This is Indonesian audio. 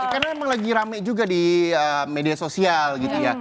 karena emang lagi rame juga di media sosial gitu ya